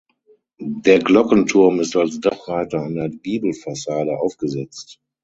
Der Glockenturm ist als Dachreiter an der Giebelfassade aufgesetzt.